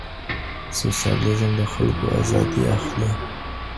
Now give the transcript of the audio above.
سوسیالیزم د خلګو ازادي اخلي.